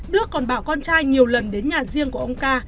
đức còn bảo con trai nhiều lần đến nhà riêng của ông ca